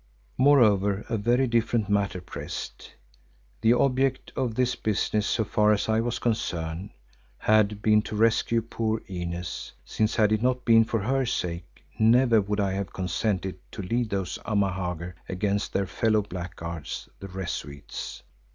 Moreover, a very different matter pressed. The object of this business so far as I was concerned, had been to rescue poor Inez, since had it not been for her sake, never would I have consented to lead those Amahagger against their fellow blackguards, the Rezuites.